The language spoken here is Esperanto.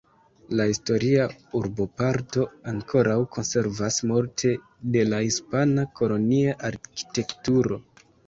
La historia urboparto ankoraŭ konservas multe de la hispana kolonia arkitekturo.